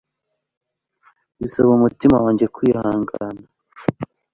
bisaba umutima wanjye kwihangana